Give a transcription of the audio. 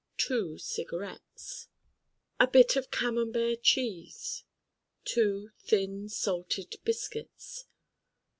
two cigarettes. a Bit of Camembert Cheese. two Thin Salted Biscuits.